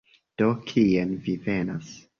De kien vi venas?